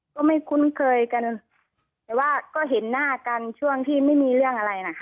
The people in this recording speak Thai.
ก็ไม่คุ้นเคยกันแต่ว่าก็เห็นหน้ากันช่วงที่ไม่มีเรื่องอะไรนะคะ